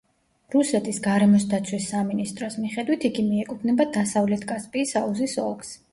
რუსეთის გარემოს დაცვის სამინისტროს მიხედვით, იგი მიეკუთვნება დასავლეთ კასპიის აუზის ოლქს.